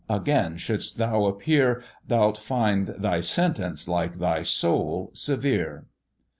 again shouldst thou appear, Thou'lt find thy sentence, like thy soul, severe."